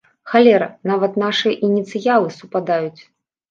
Халера, нават нашыя ініцыялы супадаюць!